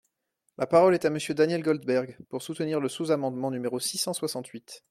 La parole est à Monsieur Daniel Goldberg, pour soutenir le sous-amendement numéro six cent soixante-huit.